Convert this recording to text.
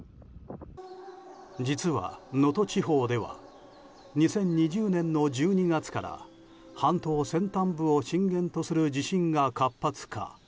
実は、能登地方では２０２０年の１２月から半島先端部を震源とする地震が活発化。